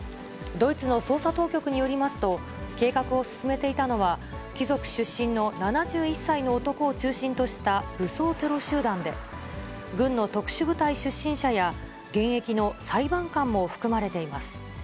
ドイツの捜査当局によりますと、計画を進めていたのは、貴族出身の７１歳の男を中心とした武装テロ集団で、軍の特殊部隊出身者や現役の裁判官も含まれています。